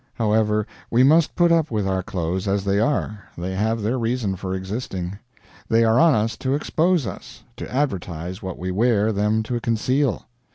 However, we must put up with our clothes as they are they have their reason for existing. They are on us to expose us to advertise what we wear them to conceal.